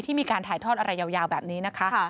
มีการถ่ายทอดอะไรยาวแบบนี้นะคะ